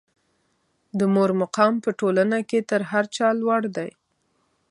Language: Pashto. د مور مقام په ټولنه کې تر هر چا لوړ دی.